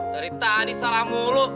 dari tadi salah mulu